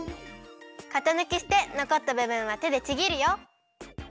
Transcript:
型ぬきしてのこったぶぶんはてでちぎるよ。